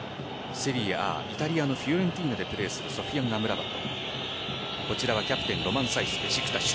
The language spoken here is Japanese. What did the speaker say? セリエＡはイタリアのフィオレンティーナでプレーするソフィアン・アムラバト。